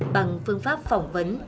bằng phương pháp phỏng vấn